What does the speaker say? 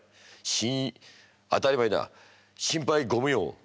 しん当たり前だ心配ご無用。